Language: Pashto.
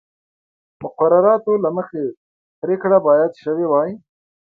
مقرراتو له مخې پرېکړه باید شوې وای